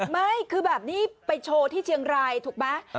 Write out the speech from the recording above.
ไม่คือแบบนี้ไปโชว์ที่เชียงรายถูกไหม